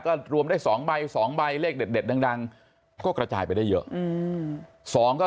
ก็รวมได้๒ใบ๒ใบเลขเด็ดดังก็กระจายไปได้เยอะ